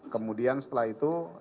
kemudian setelah itu